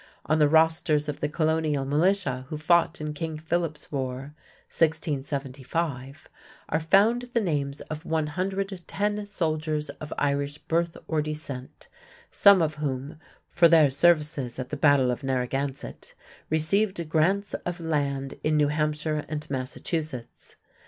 On the rosters of the Colonial militia who fought in King Philip's war (1675) are found the names of 110 soldiers of Irish birth or descent, some of whom, for their services at the battle of Narragansett, received grants of land in New Hampshire and Massachusetts.